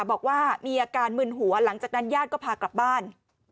บอกว่ามีอาการมึนหัวหลังจากนั้นญาติก็พากลับบ้าน